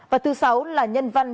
và thứ sáu là nhân văn